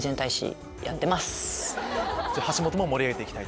橋本も盛り上げていきたい。